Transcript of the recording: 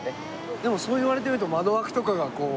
でもそう言われてみると窓枠とかがこう。